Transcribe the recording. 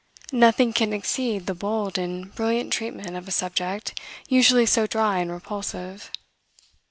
Nothing can exceed the bold and brilliant treatment of a subject usually so dry and repulsive.